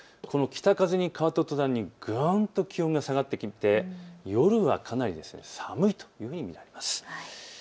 この北風に変わったとたんにぐんと気温が下がってきて夜はかなり寒いということになります。